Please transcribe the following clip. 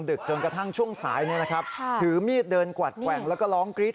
จนกระทั่งช่วงสายถือมีดเดินกวัดแกว่งแล้วก็ร้องกรี๊ด